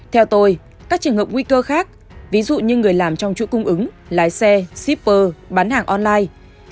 theo tôi các trường hợp nguy cơ khác ví dụ như người làm trong chuỗi cung ứng lái xe shipper bán hàng online